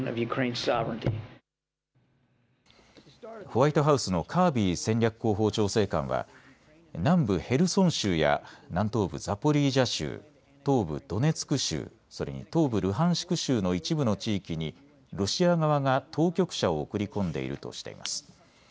ホワイトハウスのカービー戦略広報調整官は南部ヘルソン州や南東部ザポリージャ州、東部ドネツク州、それに東部ルハンシク州の一部の地域にロシア側が当局者を送り込んでいるとしています。